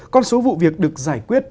con số vụ việc được giải quyết